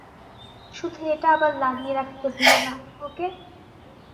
শুধু এটা আবার লাগিয়ে রাখতে ভুলো না, ওকে?